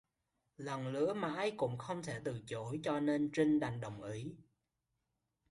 Lần lữa mãi cũng không thể từ chối cho nên Trinh đành đồng ý